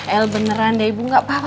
el beneran deh ibu gapapa